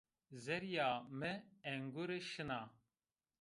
zerrîya mi engure şina